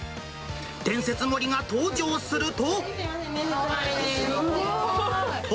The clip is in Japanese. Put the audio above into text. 伝説盛りが登場すると。